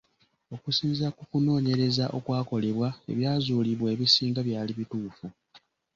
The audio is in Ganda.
Okusinziira ku kunoonyereza okwakolebwa, ebyazuulibwa ebisinga byali bituufu.